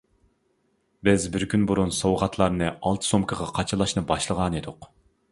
بىز بىر كۈن بۇرۇن سوۋغاتلارنى ئالتە سومكىغا قاچىلاشنى باشلىغانىدۇق.